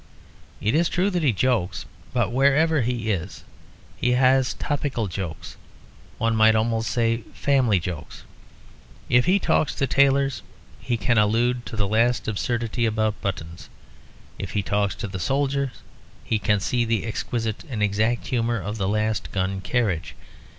It is true that he jokes; but wherever he is he has topical jokes, one might almost say family jokes. If he talks to tailors he can allude to the last absurdity about buttons. If he talks to the soldiers he can see the exquisite and exact humour of the last gun carriage.